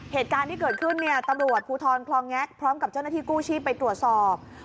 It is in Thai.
เหตุการณ์ที่เกิดขึ้นเนี่ยตำรวจภูทรคลองแง็กพร้อมกับเจ้าหน้าที่กู้ชีพไปตรวจสอบ